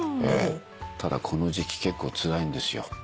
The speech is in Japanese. ただこの時季結構つらいんですよ。